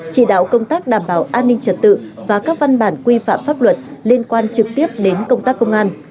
chỉ đạo công tác đảm bảo an ninh trật tự và các văn bản quy phạm pháp luật liên quan trực tiếp đến công tác công an